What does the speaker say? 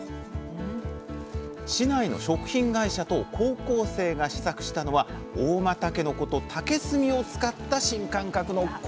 市内の食品会社と高校生が試作したのは合馬たけのこと竹炭を使った新感覚のコロッケ！